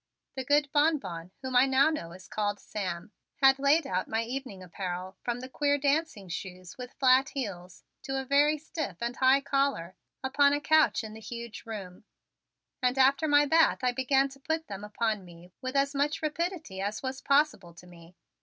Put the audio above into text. The good Bonbon, whom I now know is called Sam, had laid out my evening apparel, from the queer dancing shoes with flat heels to a very stiff and high collar, upon a couch in the huge room, and after my bath I began to put them upon me with as much rapidity as was possible to me.